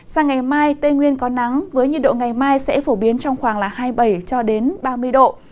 sang ngày mai tây nguyên có nắng với nhiệt độ ngày mai sẽ phổ biến trong khoảng hai mươi bảy cho đến ba mươi độ